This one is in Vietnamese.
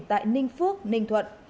tại ninh phước ninh thuận